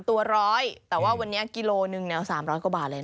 ๓ตัว๑๐๐แต่วันนี้กิโลหนึ่งแนว๓๐๐กว่าบาทเลยนะ